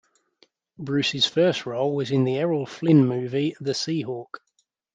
Bruce's first role was in the Errol Flynn movie The Sea Hawk.